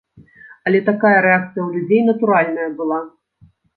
Але такая рэакцыя ў людзей натуральная была!